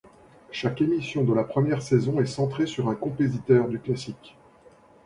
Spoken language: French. Chaque émission de la première saison est centrée sur un compositeur du classique.